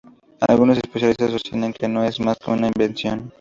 Algunos especialistas sostienen que no es más que una invención.